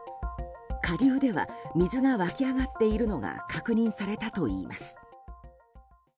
下流では水が湧き上がっているのが確認されたといいます。